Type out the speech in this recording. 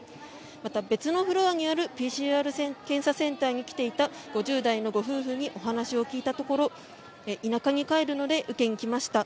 また別のフロアにあるＰＣＲ検査センターに来ていた５０代のご夫婦にお話を聞いたところ田舎に帰るので受けに来ました